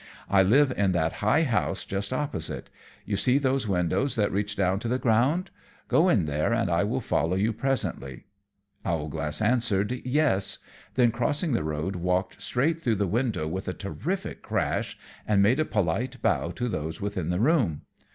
I live in that high house just opposite. You see those windows that reach down to the ground. Go in there, and I will follow you presently." Owlglass answered, "Yes." Then crossing the road walked straight through the window, with a terrific crash, and made a polite bow to those within the room.